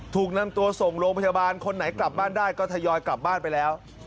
ถูกนำตัวส่งโรงพยาบาลคนไหนกลับบ้านได้ก็ทยอยกลับบ้านไปแล้ว